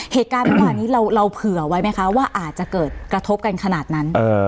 เหตุการณ์เมื่อวานนี้เราเผื่อไว้ไหมคะว่าอาจจะเกิดกระทบกันขนาดนั้น